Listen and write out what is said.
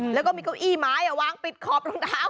แล้วก็มีเก้าอี้ไม้วางปิดขอบรองเท้า